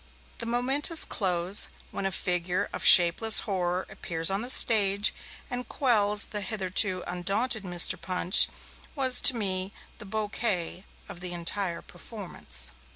The momentous close, when a figure of shapeless horror appears on the stage, and quells the hitherto undaunted Mr. Punch, was to me the bouquet of the entire performance.